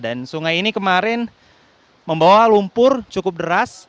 dan sungai ini kemarin membawa lumpur cukup deras